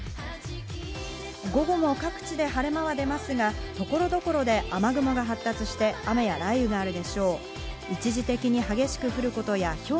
午後も各地で晴れ間は出ますが、所々で雨雲が発達して、雨や雷雨があるでしょう。